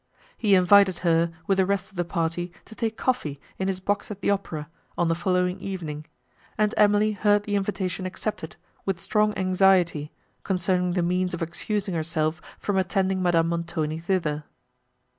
He invited her, with the rest of the party, to take coffee, in his box at the opera, on the following evening, and Emily heard the invitation accepted, with strong anxiety, concerning the means of excusing herself from attending Madame Montoni thither.